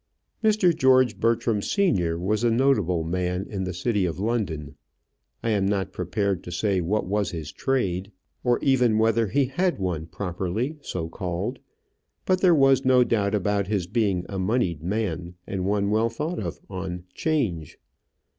Mr. George Bertram senior was a notable man in the city of London. I am not prepared to say what was his trade, or even whether he had one properly so called. But there was no doubt about his being a moneyed man, and one well thought of on 'Change.